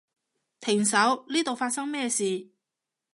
停手，呢度發生咩事？